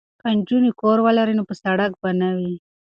که نجونې کور ولري نو په سړک به نه وي.